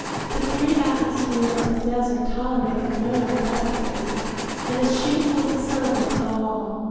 The free atmosphere of the desert tolerated no despotism, and the sheik was the servant of all.